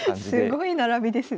すごい並びですね。